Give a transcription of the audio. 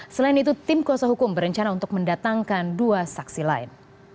selain itu tim kuasa hukum berencana untuk mendatangkan dua saksi lain